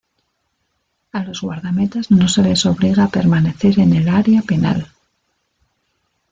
A los guardametas no se les obliga a permanecer en el área penal.